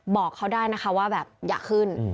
บอกเขาได้นะคะว่าแบบอย่าขึ้น